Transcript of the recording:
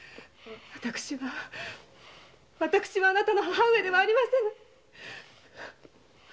私はあなたの母上ではありませぬ。